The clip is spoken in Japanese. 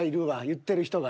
言ってる人が。